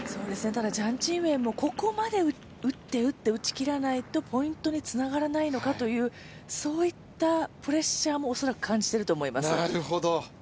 ただ、ジャン・チンウェンもここまで打って、打って、打ち切らないとポイントにつながらないのかといったプレッシャーも恐らく感じていると思います。